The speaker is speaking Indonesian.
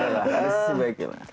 ada sisi baiknya